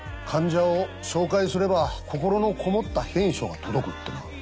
患者を紹介すれば心のこもった返書が届くってな。